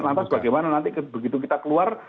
lantas bagaimana nanti begitu kita keluar